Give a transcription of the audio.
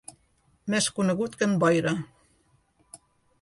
Més conegut que en Boira.